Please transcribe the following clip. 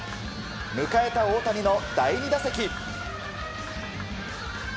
迎えた大谷の第２打席。